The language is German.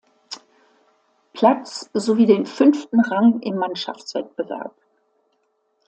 Platz sowie den fünften Rang im Mannschaftswettbewerb.